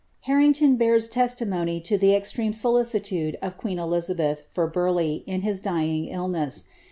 Harrington bears testimony to (he extreme solicitude of queen Bin beth for Burleigh in his dying illness.